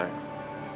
aku mau pergi